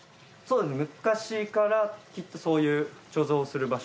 昔からきっとそういう貯蔵する場所。